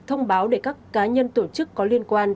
thông báo để các cá nhân tổ chức có liên quan